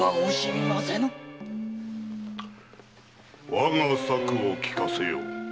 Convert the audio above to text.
我が策を聞かせよう。